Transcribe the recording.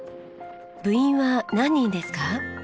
部員は何人ですか？